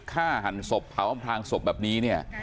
ฆ่าหันศพทหัวผังศพแบบนี้